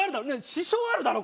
支障あるだろ？